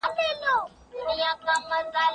لښتې په خپلو سترګو کې د نوي ژوند هیڅ نښه ونه لیده.